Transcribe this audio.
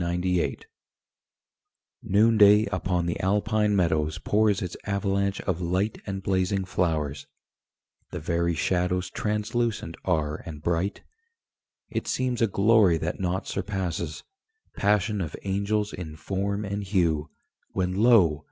INSPIRATION Noonday upon the Alpine meadows Pours its avalanche of Light And blazing flowers: the very shadows Translucent are and bright. It seems a glory that nought surpasses Passion of angels in form and hue When, lo!